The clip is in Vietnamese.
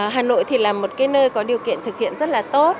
hà nội thì là một cái nơi có điều kiện thực hiện rất là tốt